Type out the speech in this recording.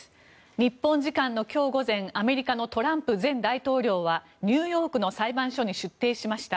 日本時間の今日午前アメリカのトランプ前大統領はニューヨークの裁判所に出廷しました。